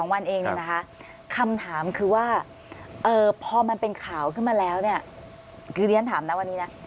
๒วันเองคำถามคือว่าพอมันเป็นข่าวขึ้นมาแล้วคือเรียนถามนะวันนี้นะ